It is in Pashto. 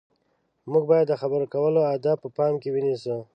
موږ باید د خبرو کولو اداب په پام کې ونیسو.